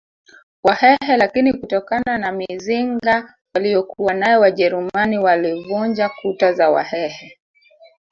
Wahehe lakini kutokana na mizinga waliyokuwanayo wajerumani walivunja kuta za wahehe